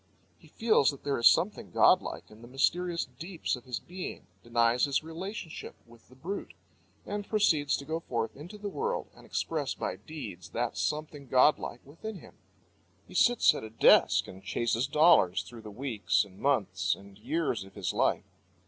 He feels that there is something godlike in the mysterious deeps of his being, denies his relationship with the brute, and proceeds to go forth into the world and express by deeds that something godlike within him. He sits at a desk and chases dollars through the weeks and months and years of his life.